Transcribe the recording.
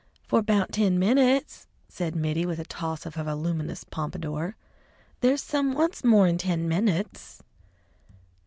"For 'bout ten minutes," said Mittie, with a toss of her voluminous pompadour; "there's some wants more'n ten minutes."